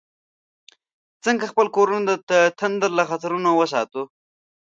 څنګه خپل کورونه د تندر له خطرونو وساتو؟